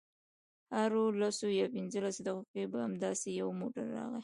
هرو لسو یا پنځلسو دقیقو کې به همداسې یو موټر راغی.